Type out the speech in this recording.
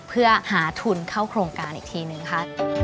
เพื่อหาทุนเข้าโครงการอีกทีหนึ่งค่ะ